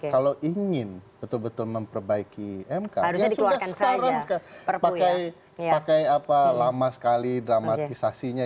kalau ingin betul betul memperbaiki mk yang sudah sekarang pakai lama sekali dramatisasinya